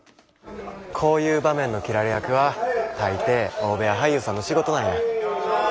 こういう場面の斬られ役は大抵大部屋俳優さんの仕事なんや。